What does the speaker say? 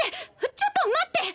ちょっと待って！